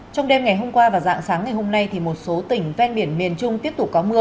trong đêm ngày hôm qua và dạng sáng ngày hôm nay một số tỉnh ven biển miền trung tiếp tục có mưa